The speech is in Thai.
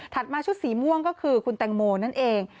มาชุดสีม่วงก็คือคุณแตงโมนั่นเอง